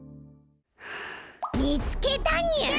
みつけたにゅう！